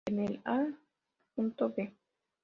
En el a. v.